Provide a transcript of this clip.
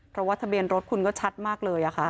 เพราะว่าทะเบียนรถคุณก็ชัดมากเลย